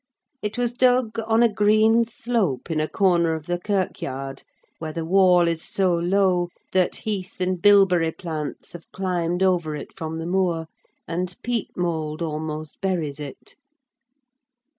It was dug on a green slope in a corner of the kirkyard, where the wall is so low that heath and bilberry plants have climbed over it from the moor; and peat mould almost buries it.